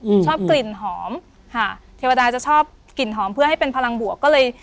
อืมชอบกลิ่นหอมค่ะเทวดาจะชอบกลิ่นหอมเพื่อให้เป็นพลังบวกก็เลย